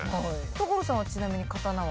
所さんはちなみに刀は？